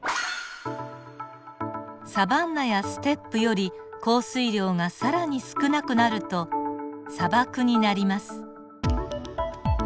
サバンナやステップより降水量が更に少なくなると砂漠になります。